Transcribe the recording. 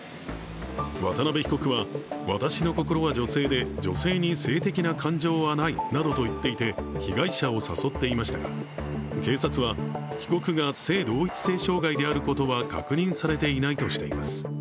渡邉被告は、私の心は女性で女性に性的な感情はないなどといっていて被害者を誘っていましたが、警察は被告が性同一性障害であることは確認されていないとしています。